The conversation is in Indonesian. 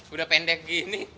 udah pendek gini